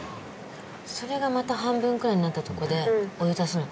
それがまた半分くらいになったとこでお湯足すの。